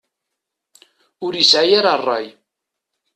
Ur yesɛi ara ṛṛay.